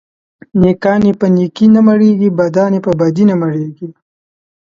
نيکان يې په نيکي نه مړېږي ، بدان يې په بدي نه مړېږي.